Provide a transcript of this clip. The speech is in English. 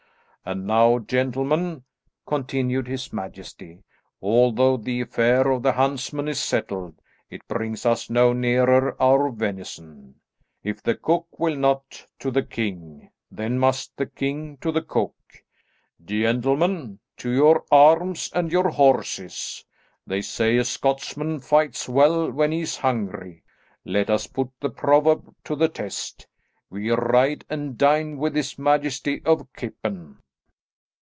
And now, gentlemen," continued his majesty, "although the affair of the huntsman is settled, it brings us no nearer our venison. If the cook will not to the king, then must the king to the cook. Gentlemen, to your arms and your horses! They say a Scotsman fights well when he is hungry; let us put the proverb to the test. We ride and dine with his majesty of Kippen."